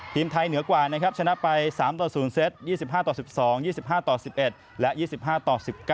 ทีมไทยเหนือกว่านะครับชนะไป๓ต่อ๐เซต๒๕ต่อ๑๒๒๕ต่อ๑๑และ๒๕ต่อ๑๙